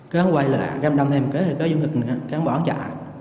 cứ em quay lại em đâm thêm kế kế vô ngực nữa kế em bỏ chạy